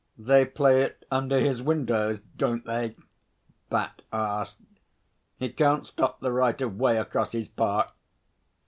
'They play it under his windows, don't they?' Bat asked. 'He can't stop the right of way across his park.'